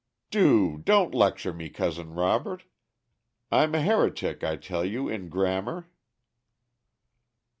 '" "Do don't lecture me, Cousin Robert. I'm a heretic, I tell you, in grammar."